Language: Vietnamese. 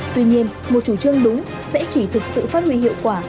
tuy nhiên một chủ trương đúng sẽ chỉ thực sự phát huy hiệu quả